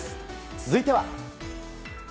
続いては。